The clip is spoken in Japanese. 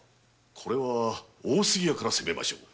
これは大杉屋からせめてみましょう。